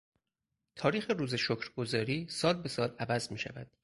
تاریخ روز شکرگزاری سال به سال عوض میشود.